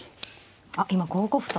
あっ今５五歩と。